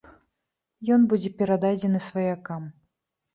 Ён будзе перададзены сваякам.